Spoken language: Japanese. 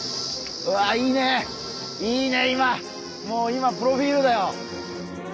もう今プロフィールだよ。